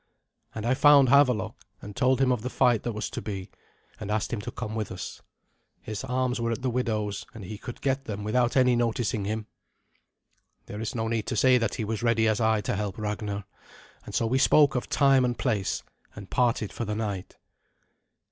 And I found Havelok, and told him of the fight that was to be, and asked him to come with us. His arms were at the widow's, and he could get them without any noticing him. There is no need to say that he was ready as I to help Ragnar, and so we spoke of time and place, and parted for the night.